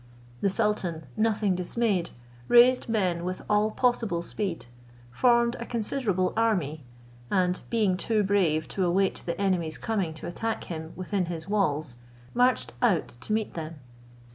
The sultan, nothing dismayed, raised men with all possible speed, formed a considerable army, and being too brave to await the enemy's coming to attack him within his walls, marched out to meet them.